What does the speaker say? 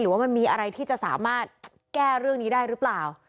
ว่ามันมีอะไรที่จะสามารถแก้เรื่องนี้ได้หรือเปล่า